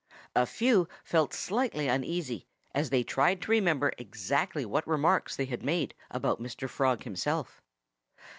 A few felt slightly uneasy, as they tried to remember exactly what remarks they had made about Mr. Frog himself.